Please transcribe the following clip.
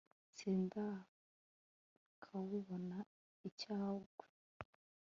sindakawubona icyangwe